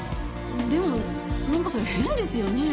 でもなんかそれ変ですよね。